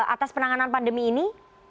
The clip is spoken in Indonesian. atas penanganan pandemi ini